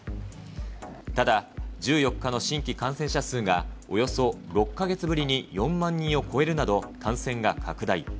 ただ、１４日の新規感染者数がおよそ６か月ぶりに４万人を超えるなど、感染が拡大。